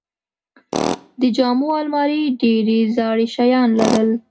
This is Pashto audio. د جامو الماری ډېرې زاړه شیان لرل.